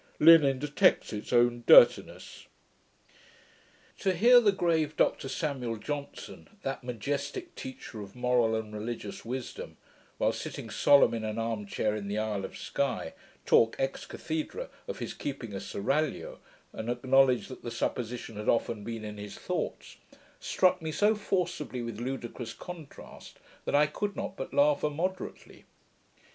Linen detects its own dirtiness.' To hear the grave Dr Samuel Johnson, 'that majestick teacher of moral and religious wisdom', while sitting solemn in an arm chair in the Isle of Sky, talk, ex cathedra, of his keeping a seraglio, and acknowledge that the supposition had OFTEN been in his thoughts, struck me so forcibly with ludicrous contrast, that I could not but laugh immoderately.